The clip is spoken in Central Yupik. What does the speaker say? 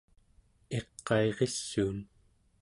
iqairissuun